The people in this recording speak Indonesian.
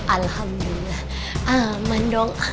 alhamdulillah aman dong